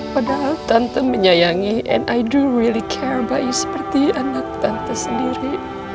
padahal tante menyayangi and i do really care bayi seperti anak tante sendiri